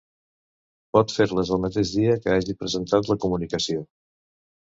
Pot fer-les el mateix dia que hagi presentat la comunicació.